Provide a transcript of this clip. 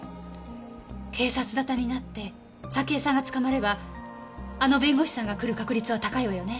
警察ざたになって沙希江さんが捕まればあの弁護士さんが来る確率は高いわよね。